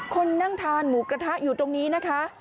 คนนั่งทานหมูกระทะอยู่ตรงนี้นะคะ